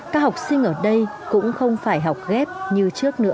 các học sinh ở đây cũng không phải học ghép như trước nữa